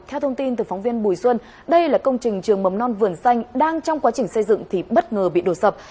theo thông tin từ phóng viên bùi xuân đây là công trình trường mầm non vườn xanh đang trong quá trình xây dựng thì bất ngờ bị đổ sập